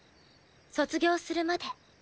卒業するまで。